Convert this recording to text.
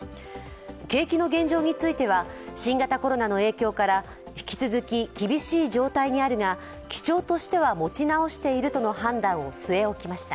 景気の現状については新型コロナの影響から引き続き厳しい状態にあるが、基調としては持ち直しているとの判断を据え置きました。